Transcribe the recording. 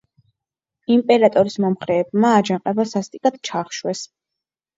იმპერატორის მომხრეებმა აჯანყება სასტიკად ჩაახშვეს.